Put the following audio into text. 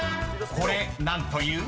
［これ何という？］